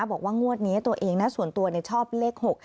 บอกว่างวดนี้ตัวเองนะส่วนตัวชอบเลข๖